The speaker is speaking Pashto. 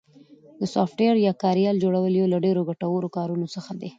د سافټویر یا کاریال جوړل یو له ډېرو ګټورو کارونو څخه ده